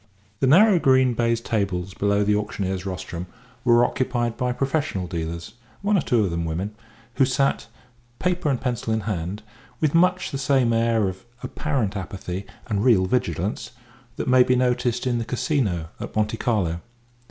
The narrow green baize tables below the auctioneer's rostrum were occupied by professional dealers, one or two of them women, who sat, paper and pencil in hand, with much the same air of apparent apathy and real vigilance that may be noticed in the Casino at Monte Carlo.